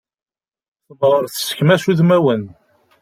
Temɣeṛ tessekmac udmawen.